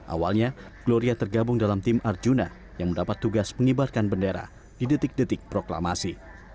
awalnya gloria tergabung dalam tim arjuna yang mendapat tugas mengibarkan bendera di detik detik proklamasi